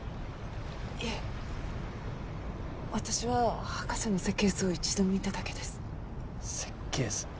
いえ私は博士の設計図を一度見ただけです設計図？